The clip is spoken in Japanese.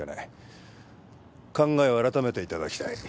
考えを改めて頂きたい。